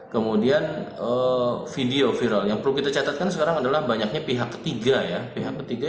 kemudian video viral yang perlu kita catatkan sekarang adalah banyaknya pihak ketiga